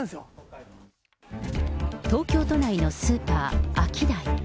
東京都内のスーパー、アキダイ。